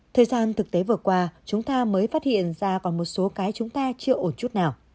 thời gian thực tế vừa qua chúng ta mới phát hiện ra còn một số cái chúng ta chưa ổn chút nào